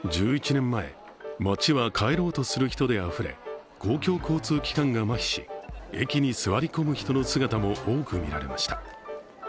１１年前、街は帰ろうとする人であふれ、公共交通機関が麻痺し、駅に座り込む人の姿も多く見られました。